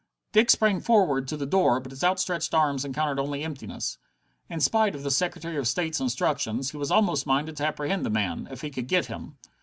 Dick sprang forward to the door, but his outstretched arms encountered only emptiness. In spite of the Secretary of State's instructions, he was almost minded to apprehend the man. If he could get him!